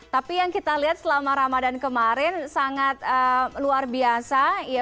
tapi yang kita lihat selama ramadan kemarin sangat luar biasa